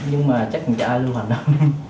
nhưng mà chắc chẳng trả ai lưu hành đâu